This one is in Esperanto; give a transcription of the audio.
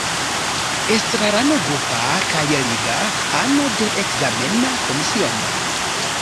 Estrarano grupa kaj liga, ano de ekzamena komisiono.